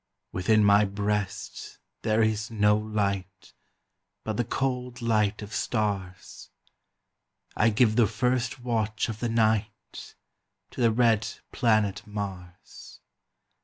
Within my breast there is no light, But the cold light of stars; I give the first watch of the night To the red planet Mars.